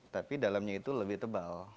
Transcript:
tapi dalamnya itu lebih tebal